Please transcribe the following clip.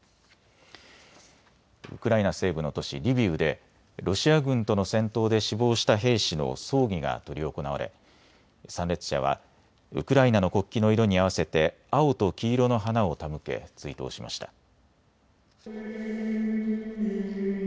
ウクライナ西部の都市リビウでロシア軍との戦闘で死亡した兵士の葬儀が執り行われ参列者はウクライナの国旗の色に合わせて青と黄色の花を手向け、追悼しました。